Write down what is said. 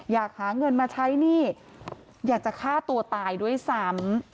อยากหาเงินมาใช้หนี้อยากจะฆ่าตัวตายด้วยซ้ำ